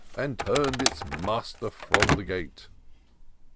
And tum'd its master from the gate.